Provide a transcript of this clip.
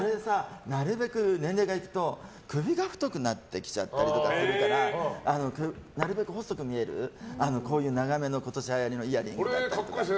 なるべく年齢がいくと首が太くなってきちゃったりとかするからなるべく細く見える今年はやりの長めのイヤリングだったり。